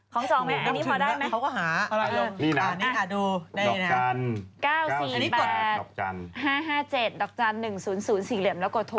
คล้องจองมั้ยอันนี้พอได้มั้ยเอาล่ะลงนี่นะดอกจัน๙๔๘๕๕๗ดอกจัน๑๐๐สี่เหลี่ยมแล้วกดทัวร์